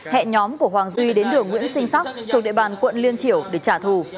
hẹn nhóm của hoàng duy đến đường nguyễn sinh sắc thuộc địa bàn quận liên triểu để trả thù